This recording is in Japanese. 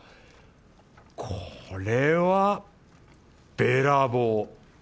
これはべらぼう。